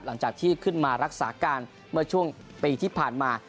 หลังจากที่ขึ้นมารักษาการเมื่อช่วงปีที่ผ่านมา